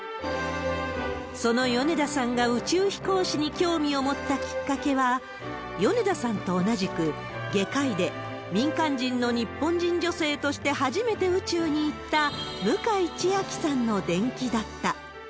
その米田さんが宇宙飛行士に興味を持ったきっかけは、米田さんと同じく、外科医で民間人の日本人女性として初めて宇宙に行った、向井千秋さんの伝記だった。